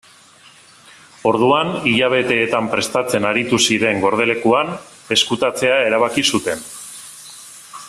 Orduan, hilabeteetan prestatzen aritu ziren gordelekuan ezkutatzea erabaki zuten.